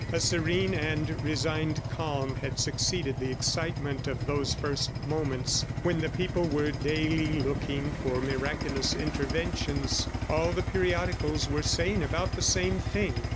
A serene and resigned calm had succeeded the excitement of those first moments when the people were daily looking for miraculous interventions. All the periodicals were saying about the same thing.